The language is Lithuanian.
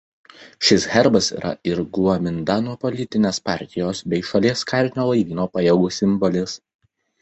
Šis herbas yra ir Guomindano politinės partijos bei šalies karinio laivyno pajėgų simbolis.